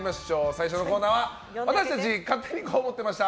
最初のコーナーは私たち勝手にこう思ってました！